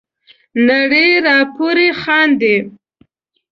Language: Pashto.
نړۍ را پوري خاندي.